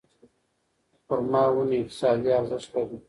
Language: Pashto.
د خورما ونې اقتصادي ارزښت لري.